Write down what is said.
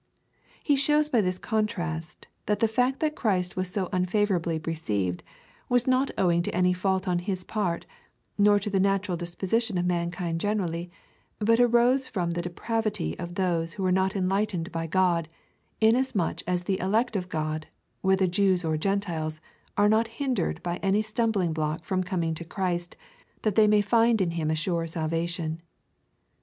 He shows by this contrast, that the fact that Christ was so unfavourably received, was not owing to any fault on his part, nor to the natural dis position of mankind generally, but arose from the depravity of those who were not enlightened by God, inasmuch as the elect of God, whether Jews or Gentiles, are not hindered by any stumhlingblock from coming to Christ, that they may find in him a sure salvation.